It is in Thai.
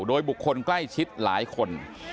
โดยบุคคลใกล้ชิดหลายคน